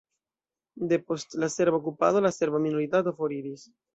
Depost la serba okupado la serba minoritato foriris.